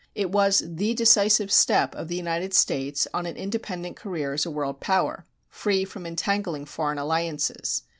It was the decisive step of the United States on an independent career as a world power, free from entangling foreign alliances.